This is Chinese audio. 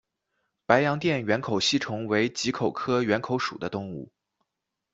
白洋淀缘口吸虫为棘口科缘口属的动物。